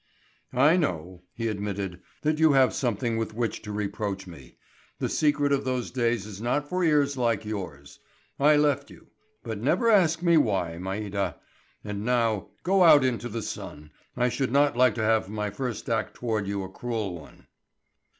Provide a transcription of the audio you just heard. "I know," he admitted, "that you have something with which to reproach me; the secret of those days is not for ears like yours. I left you, but—never ask me why, Maida. And now, go out into the sun. I should not like to have my first act toward you a cruel one."